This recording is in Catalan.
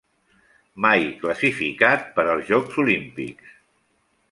Mai classificat per als Jocs Olímpics.